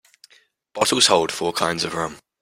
Bottles hold four kinds of rum.